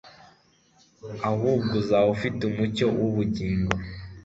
ahubwo azaba afite umucyo w'ubugingo.'»